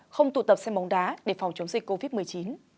không tụ tập xem bóng đá để phòng chống dịch covid một mươi chín